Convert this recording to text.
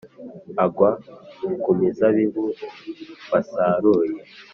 agwa ku mizabibu wasaruye